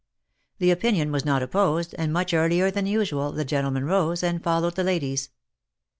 The opinion was not opposed, and, much earlier than usual, the gentlemen rose, and followed the ladies.